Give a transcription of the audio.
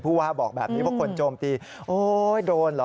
ว่าบอกแบบนี้เพราะคนโจมตีโอ๊ยโดนเหรอ